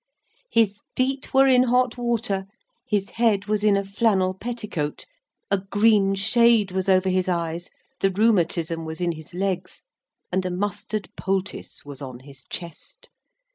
His feet were in hot water; his head was in a flannel petticoat; a green shade was over his eyes; the rheumatism was in his legs; and a mustard poultice was on his chest.